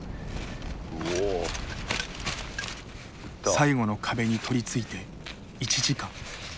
最後の壁に取りついて１時間。